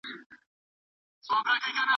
انا په خپلو اوښکو کې د پښېمانۍ نښې لرلې.